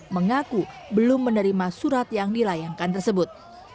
mengaku belum menerima surat yang dilayangkan tersebut